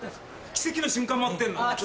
奇跡の瞬間待ってんの。